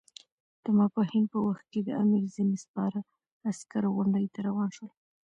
د ماپښین په وخت کې د امیر ځینې سپاره عسکر غونډۍ ته روان شول.